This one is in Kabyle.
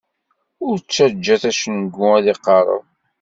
Ur ttaǧǧat acengu ad iqerreb.